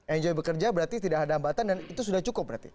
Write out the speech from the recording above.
enjoy bekerja berarti tidak ada hambatan dan itu sudah cukup berarti